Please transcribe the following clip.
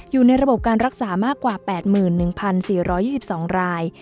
อยู่ในระบบการรักษามากกว่า๘๑๔๒๒ราย